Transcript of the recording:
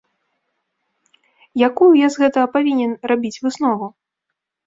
Якую я з гэтага павінен рабіць выснову?